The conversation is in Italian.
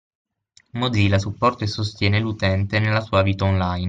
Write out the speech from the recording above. Mozilla supporta e sostiene l’utente nella sua vita online.